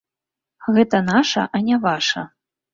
Гэта наша, а не ваша.